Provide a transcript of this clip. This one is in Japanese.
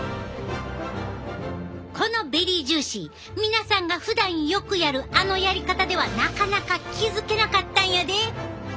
このベリージューシー皆さんがふだんよくやるあのやり方ではなかなか気付けなかったんやで。